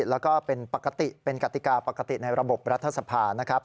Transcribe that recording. แล้วก็เป็นปกติเป็นกติกาปกติในระบบรัฐสภานะครับ